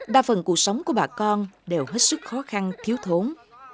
đa phần cuộc sống của bà con đều hết sức khó khăn thiếu thốn